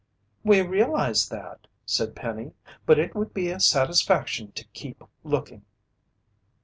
"We realize that," said Penny, "but it would be a satisfaction to keep looking."